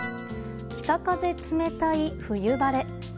北風冷たい、冬晴れ。